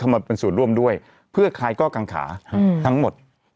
มาเป็นส่วนร่วมด้วยเพื่อคลายข้อกังขาทั้งหมด